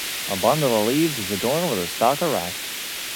A bundle of leaves is adorned with a stalk of rice.